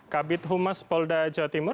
kabit humas polda jawa timur